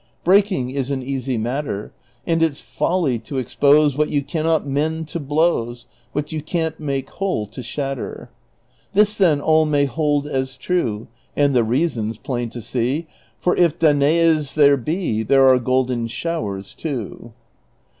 Breaking is an easy matter, And it 's folly to expose What you can not mend to blows ; What you can't make whole to shatter. This, then, all may hold as true. And the reason 's plain to see ; For if Danaes there be, There are golden showers too.